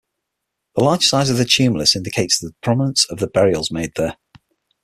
The large size of the tumulus indicates the prominence of the burials made there.